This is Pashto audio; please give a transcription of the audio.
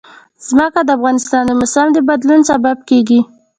ځمکه د افغانستان د موسم د بدلون سبب کېږي.